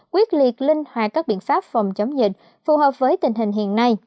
quyết liệt linh hài các biện pháp phòng chống dịch phù hợp với tình hình hiện nay